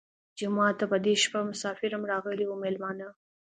جومات ته په دې شپه مسافر هم راغلي وو مېلمانه.